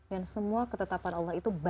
dan semua ketetapan allah itu